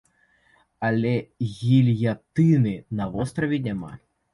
Але гільятыны на востраве няма.